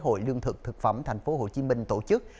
hội lương thực thực phẩm tp hcm tổ chức